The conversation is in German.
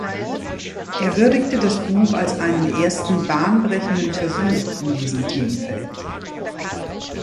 Er würdigte das Buch als einen ersten „bahnbrechenden Versuch“ in diesem Themenfeld.